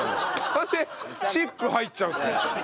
なんで「シップ」入っちゃうんですか。